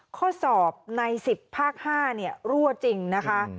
ข้อสอบในสิทธิ์ภาค๕เนี่ยรั่วจริงนะคะ